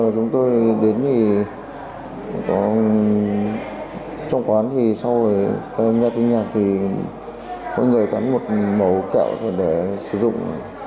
chúng tôi đến thì có trong quán thì sau nghe tiếng nhạc thì mỗi người cắn một màu kẹo để sử dụng